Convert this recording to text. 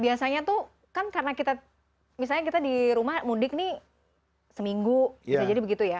biasanya tuh kan karena kita misalnya kita di rumah mudik nih seminggu bisa jadi begitu ya